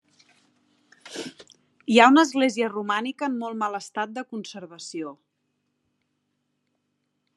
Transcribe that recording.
Hi ha una església romànica en molt mal estat de conservació.